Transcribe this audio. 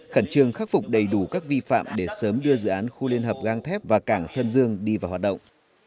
khẩn trương khắc phục đầy đủ các vi phạm để sớm đưa dự án khu liên hợp gang thép và cảng sơn dương đi vào hoạt động